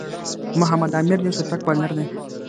محمد عامِر یو چټک بالر دئ.